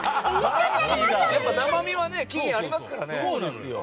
生身は危険がありますからね。